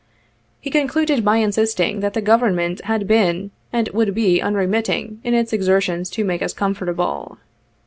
He concluded by insisting that the Government had been, and would be unremitting in its exertions to make us comfortable.